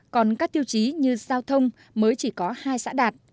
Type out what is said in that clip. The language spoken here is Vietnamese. còn các tiêu chí như giao thông mới chỉ có hai xã đạt